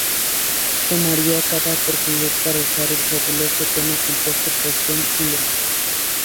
Tomaría cada oportunidad para usar el fabuloso tema compuesto por John Williams.